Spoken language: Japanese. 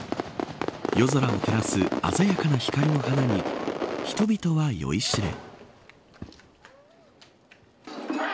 夜空を照らす鮮やかな光の花に人々は酔いしれ。